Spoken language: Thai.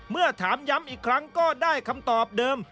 เมื่อถามย้ำอีกครั้งก็ได้คำตอบเดิม